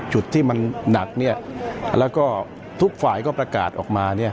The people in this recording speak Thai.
จุดที่มันหนักแล้วก็ทุกฝ่ายก็ประกาศออกมา